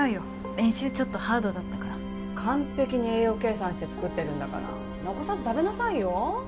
練習ちょっとハードだったから完璧に栄養計算して作ってるんだから残さず食べなさいよ？